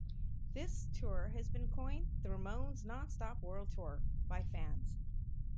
This tour has been coined the "Ramones Non-Stop World Tour" by fans.